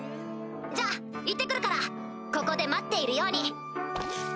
じゃあ行って来るからここで待っているように！